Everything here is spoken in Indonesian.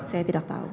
saya tidak tahu